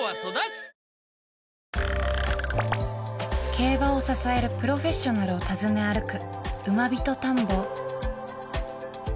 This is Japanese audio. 競馬を支えるプロフェッショナルを訪ね歩く